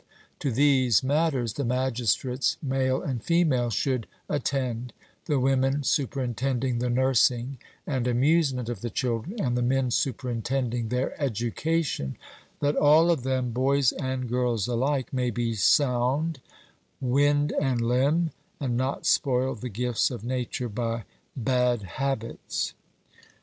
To these matters the magistrates, male and female, should attend; the women superintending the nursing and amusement of the children, and the men superintending their education, that all of them, boys and girls alike, may be sound, wind and limb, and not spoil the gifts of nature by bad habits.